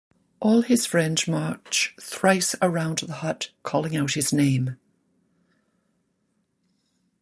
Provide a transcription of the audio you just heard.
All his friends march thrice around the hut calling out his name.